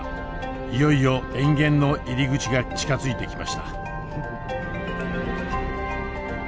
いよいよ塩原の入り口が近づいてきました。